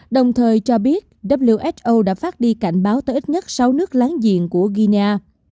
đồng thời cho biết who đã phát đi cảnh báo tới ít nhất sáu nước láng giềng của guinea